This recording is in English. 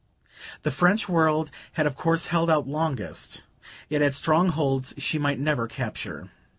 The French world had of course held out longest; it had strongholds she might never capture.